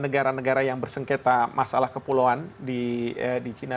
negara negara yang bersengketa masalah kepulauan di china